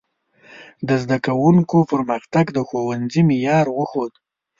د زده کوونکو پرمختګ د ښوونځي معیار وښود.